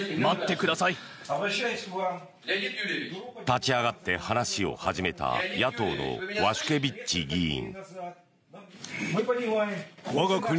立ち上がって話を始めた野党のワシュケビッチ議員。